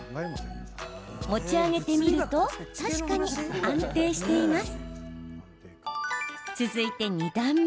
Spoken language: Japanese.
持ち上げてみると確かに安定しています。